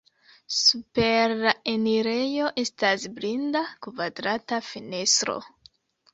Super la enirejo estas blinda kvadrata fenestro.